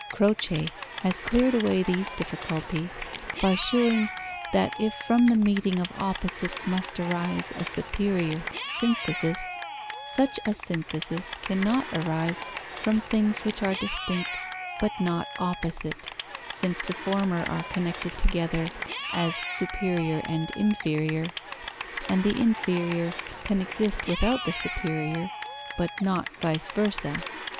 Croce has cleared away these difficulties by shewing that if from the meeting of opposites must arise a superior synthesis, such a synthesis cannot arise from things which are distinct but not opposite, since the former are connected together as superior and inferior, and the inferior can exist without the superior, but not vice versa.